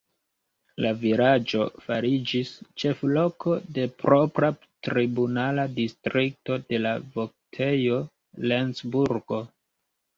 La vilaĝo fariĝis ĉefloko de propra tribunala distrikto de la voktejo Lencburgo.